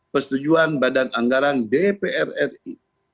persetujuan badan anggaran dpr ri